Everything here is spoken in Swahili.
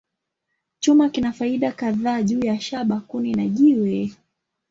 Chuma kina faida kadhaa juu ya shaba, kuni, na jiwe.